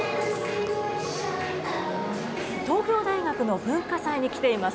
東京大学の文化祭に来ています。